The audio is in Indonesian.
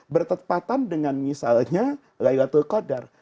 bertepatan dengan misalnya laylatul qadar